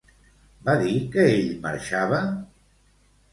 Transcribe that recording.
Va dir que ell marxava?